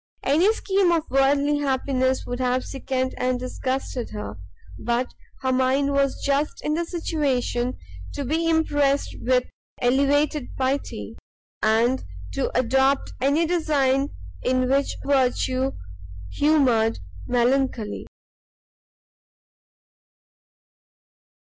Any scheme of worldly happiness would have sickened and disgusted her; but her mind was just in the situation to be impressed with elevated piety, and to adopt any design in which virtue humoured melancholy.